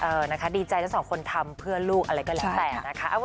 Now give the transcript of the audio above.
นะคะดีใจทั้งสองคนทำเพื่อลูกอะไรก็แล้วแต่นะคะ